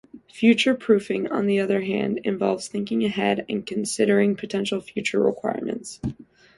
Future-proofing, on the other hand, involves thinking ahead and considering potential future requirements.